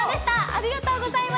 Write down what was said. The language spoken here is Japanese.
ありがとうございます。